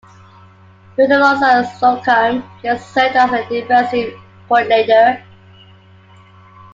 He worked alongside Slocum, who then served as the defensive coordinator.